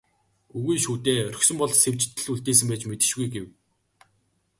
"Үгүй шүү дээ, орхисон бол Сэвжидэд л үлдээсэн байж мэдэшгүй" гэв.